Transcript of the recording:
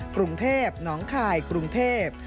กรุงเทพหนองคายกรุงเทพ